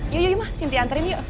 yuk yuk yuk mak sintia antarin yuk